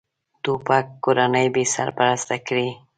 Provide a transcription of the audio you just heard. توپک کورنۍ بېسرپرسته کړي.